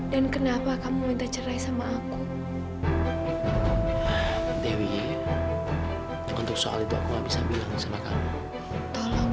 dan kenapa kamu minta cerai sama aku dewi untuk soal itu aku nggak bisa bilang sama kamu tolong